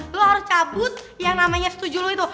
lo harus cabut yang namanya setuju lu itu